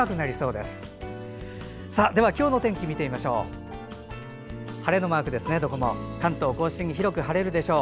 では今日の天気見てみましょう。